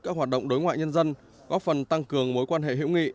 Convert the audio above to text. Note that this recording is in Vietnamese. các hoạt động đối ngoại nhân dân góp phần tăng cường mối quan hệ hữu nghị